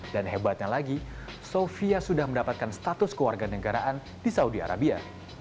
dan hebatnya lagi sofia sudah mendapatkan status keluarga negaraan di saudi arabia